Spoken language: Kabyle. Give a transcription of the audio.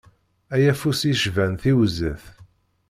Ay afus yecban tiwzet.